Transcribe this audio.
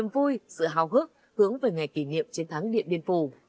vui sự hào hức hướng về ngày kỷ niệm chiến thắng điện biên phủ